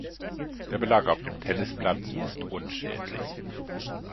Der Belag auf dem Tennisplatz ist unschädlich.